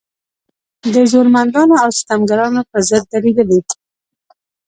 د زورمندانو او ستمګرانو په ضد درېدلې.